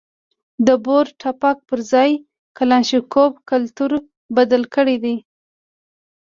د بور ټوپک پر ځای کلاشینکوف کلتور بدل کړی دی.